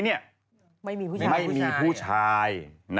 ไม่มีผู้ชาย